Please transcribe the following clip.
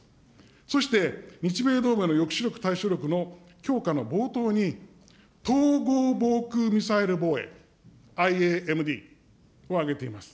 そして日米同盟の抑止力、対処力の強化の冒頭に、統合防空ミサイル防衛・ＩＡＭＤを挙げています。